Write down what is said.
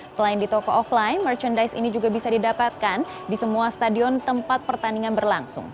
selain di toko offline merchandise ini juga bisa didapatkan di semua stadion tempat pertandingan berlangsung